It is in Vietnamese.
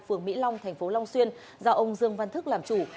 phường mỹ long tp long xuyên do ông dương văn thức làm chủ